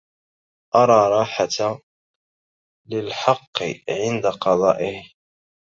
أرى راحة للحق عند قضائه